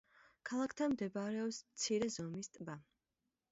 ქალაქთან მდებარეობს მცირე ზომის ტბა.